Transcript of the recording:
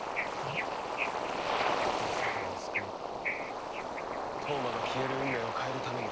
この世界を救い飛羽真が消える運命を変えるために。